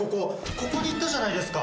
ここに行ったじゃないですか。